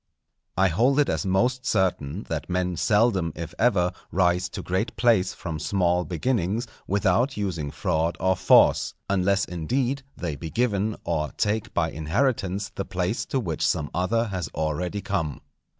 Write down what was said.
_ I hold it as most certain that men seldom if ever rise to great place from small beginnings without using fraud or force, unless, indeed, they be given, or take by inheritance the place to which some other has already come.